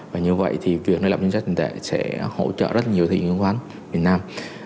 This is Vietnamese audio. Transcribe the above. và như vậy thì việc nới lọc chính sách trình thể sẽ hỗ trợ rất nhiều thị trường chính khoán việt nam